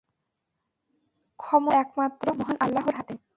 ক্ষমতা তো একমাত্র মহান আল্লাহর হাতে।